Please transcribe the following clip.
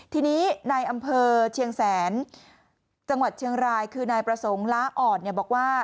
ทีนี้ในอำเภอเชียงแสนจังหวัดเชียงรายคือนายประสงค์ล้าอ่อนบอกว่า